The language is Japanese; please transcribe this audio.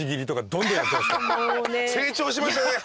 成長しましたね。